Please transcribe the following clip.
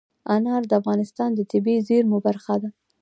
انار د افغانستان د طبیعي زیرمو برخه ده.